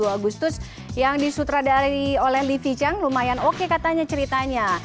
dua puluh agustus yang disutradari oleh livi chang lumayan oke katanya ceritanya